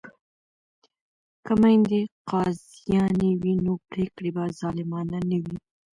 که میندې قاضیانې وي نو پریکړې به ظالمانه نه وي.